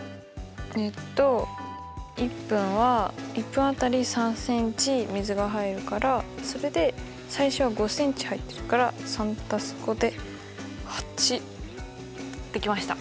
えっと１分は１分当たり３ｃｍ水が入るからそれで最初は５ｃｍ入ってるから３＋５で８。できました。